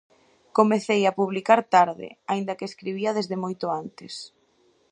Comecei a publicar tarde, aínda que escribía desde moito antes.